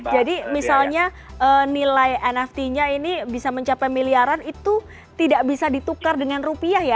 jadi misalnya nilai nft nya ini bisa mencapai miliaran itu tidak bisa ditukar dengan rupiah ya